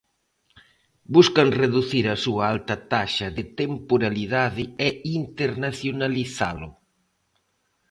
Buscan reducir a súa alta taxa de temporalidade, e internacionalizalo.